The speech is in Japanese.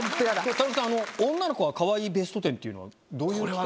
田中さん、女の子はかわいいベスト１０っていうのは、どういう企画？